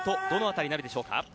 どのあたりなんでしょうか？